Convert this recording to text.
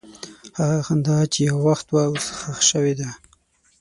هغه خندا چې یو وخت وه، اوس ښخ شوې ده.